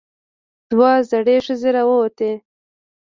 دوه زړې ښځې راووتې.